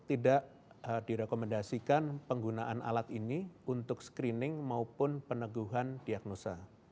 ketiga kita tidak merekomendasikan penggunaan alat ini untuk screening maupun peneguhan diagnosa